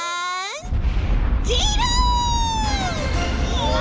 うわ！